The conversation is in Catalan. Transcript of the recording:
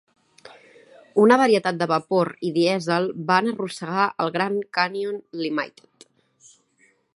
Una varietat de vapor i dièsel van arrossegar el "Grand Canyon Limited".